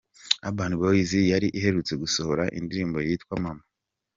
Urban Boyz yari iherutse gusohora indirimbo yitwa ’Mama’.